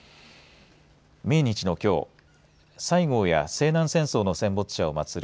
命日のきょう西郷や西南戦争の戦没者をまつる